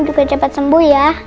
juga cepat sembuh ya